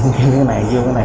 như thế này như thế này